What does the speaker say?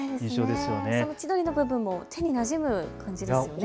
千鳥の部分も手になじむ感じですよね。